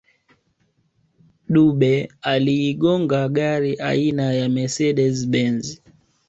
dube aliigonga gari aina ya mercedes benz